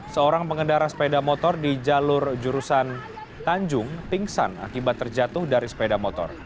seorang pengendara sepeda motor di jalur jurusan tanjung pingsan akibat terjatuh dari sepeda motor